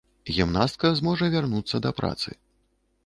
Гімнастка зможа вярнуцца да працы.